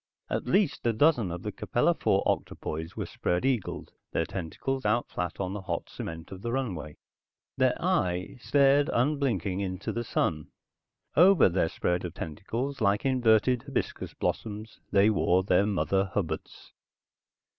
At least a dozen of the Capella IV octopoids were spread eagled, their tentacles out flat on the hot cement of the runway. Their eye stared unblinking into the sun. Over their spread of tentacles, like inverted hibiscus blossoms, they wore their mother hubbards.